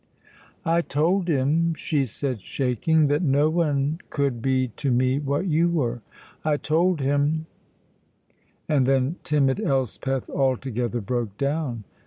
"I told him," she said, shaking, "that no one could be to me what you were. I told him " and then timid Elspeth altogether broke down.